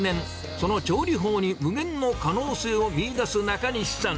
その調理法に無限の可能性を見いだす中西さん。